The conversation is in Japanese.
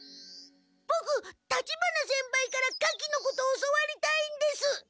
ボク立花先輩から火器のことを教わりたいんです。